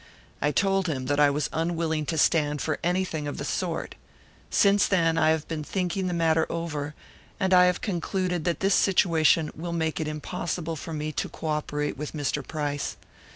I told him that I was unwilling to stand for anything of the sort. Since then I have been thinking the matter over, and I have concluded that this situation will make it impossible for me to cooperate with Mr. Price.